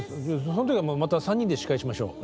その時はまた３人で司会しましょう。